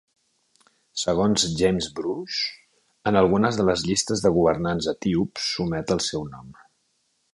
Segons James Bruce, en algunes de les llistes de governants etíops s'omet el seu nom.